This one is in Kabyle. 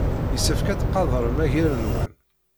Yessefk ad tqadrem agal-nwen.